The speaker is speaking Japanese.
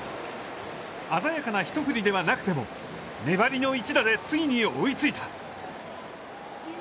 鮮やかな一振りではなくても粘りの一打で、ついに追いついた。